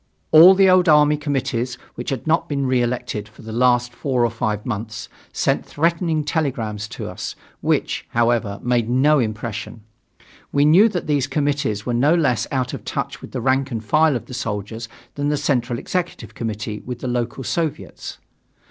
All the old army committees which had not been reelected for the last four or five months, sent threatening telegrams to us, which, however, made no impression. We knew that these committees were no less out of touch with the rank and file of the soldiers than the Central Executive Committee with the local Soviets.